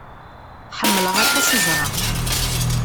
Ḥemmleɣ aṭas iẓra.